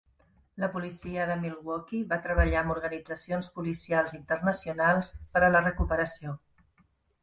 La policia de Milwaukee va treballar amb organitzacions policials internacionals per a la recuperació.